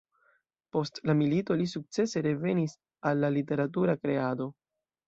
Post la milito li sukcese revenis al la literatura kreado.